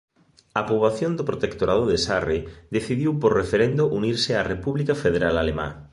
A poboación do protectorado de Sarre decidiu por referendo unirse á República Federal Alemá.